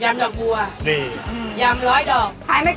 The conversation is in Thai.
ยามดอกบัวยามร้อยดอก